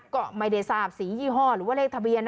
ก็ไม่ได้ทราบสียี่ห้อหรือว่าเลขทะเบียน